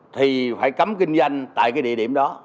thì phải cấm kinh doanh tại cái địa điểm đó